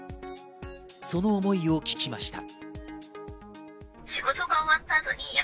その思いを聞きました。